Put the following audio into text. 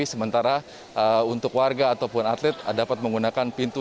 sementara untuk warga ataupun atlet dapat menggunakan pintu